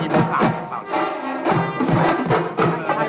อินทรายของเบาเนี่ย